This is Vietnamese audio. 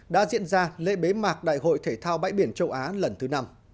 đã diễn ra lễ bế mạc đại hội thể thao bãi biển châu á lần thứ năm